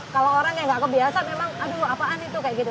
kalau orang yang nggak kebiasa memang aduh apaan itu kayak gitu